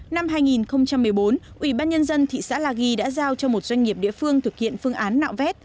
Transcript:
năm hai nghìn một mươi bốn ủy ban nhân dân thị xã la ghi đã giao cho một doanh nghiệp địa phương thực hiện phương án nạo vét